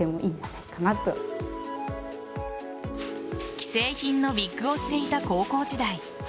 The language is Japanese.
既製品のウィッグをしていた高校時代。